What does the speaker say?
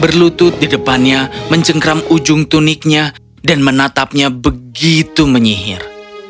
berlutut di depannya mencengkram ujung tuniknya dan menatapnya begitu menyihir